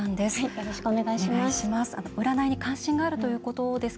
よろしくお願いします。